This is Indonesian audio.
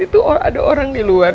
itu ada orang di luar